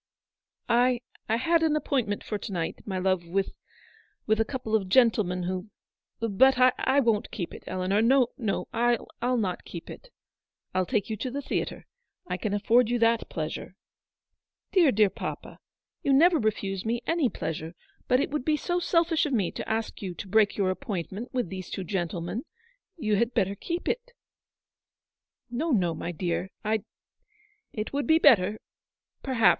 "I — I had an appointment for to night, my love, with — with a couple of gentlemen who — But I won't keep it, Eleanor, — no, no, Fll not keep it. Fll take you to the theatre. I can afford you that pleasure." " Dear, dear papa, you never refuse me any pleasure ; but it would be so selfish of me to ask you to break your appointment with these two gentlemen. You had better keep it." " No, no, my dear — I'd — it would be better — perhaps.